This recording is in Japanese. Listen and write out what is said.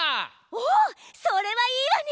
おそれはいいわね。